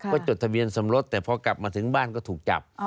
ก็จดทะเบียนสมรสแต่พอกลับมาถึงบ้านก็ถูกจับ